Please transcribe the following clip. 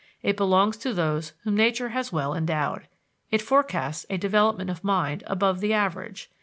It belongs to those whom nature has well endowed. It forecasts a development of mind above the average.